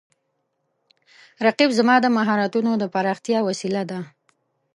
رقیب زما د مهارتونو د پراختیا وسیله ده